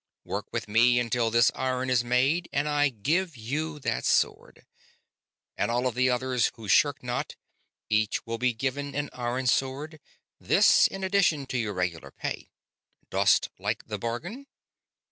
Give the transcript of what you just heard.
Work with me until this iron is made and I give you that sword. And of all the others who shirk not, each will be given an iron sword this in addition to your regular pay. Dost like the bargain?"